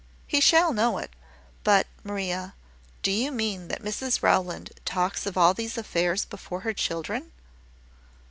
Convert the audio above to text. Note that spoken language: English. "He shall know it. But, Maria, do you mean that Mrs Rowland talks of all these affairs before her children?"